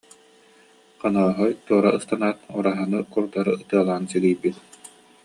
Хонооһой туора ыстанаат, ураһаны курдары ытыалаан сигийбит